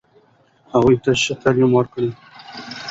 هغوی ته ښه تعلیم ورکړئ.